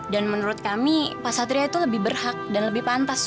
dan menurut kami pak satria itu lebih berhak dan lebih pantas